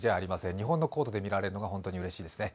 日本のコートで見られるのが本当にうれしいですね。